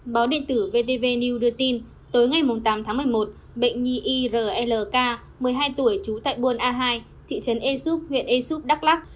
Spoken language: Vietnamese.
báo đệnh tử vtv news đưa tin tối ngày tám tháng một mươi một bệnh nhi irlk một mươi hai tuổi trú tại buôn a hai thị trấn esup huyện esup đắk lắk